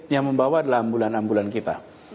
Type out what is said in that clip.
yang membawa adalah ambulan ambulan kita